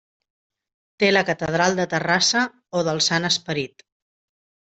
Té la Catedral de Terrassa o del Sant Esperit.